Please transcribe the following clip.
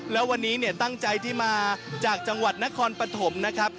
แล้ววันนี้เนี่ยตั้งใจที่มาจากจังหวัดนครปฐมนะครับ